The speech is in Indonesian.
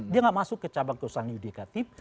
dia nggak masuk ke cabang kekuasaan yudikatif